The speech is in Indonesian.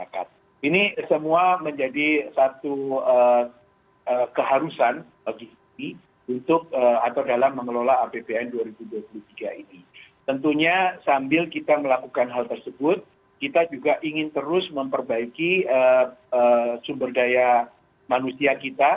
kasihan indonesia newsroom akan segera kembali